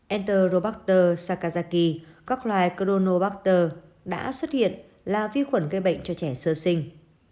enterobacter saccazaki các loài cronobacter đã xuất hiện là vi khuẩn gây bệnh cho trẻ sơ sinh